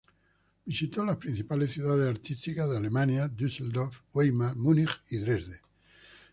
Visitó las principales ciudades artísticas de Alemania: Düsseldorf, Weimar, Munich y Dresde.